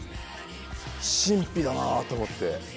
神秘だなと思って。